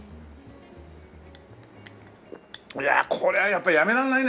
いやこれはやっぱりやめられないね！